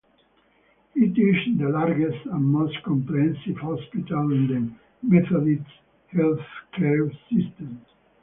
It is the largest and most comprehensive hospital in the Methodist Healthcare system.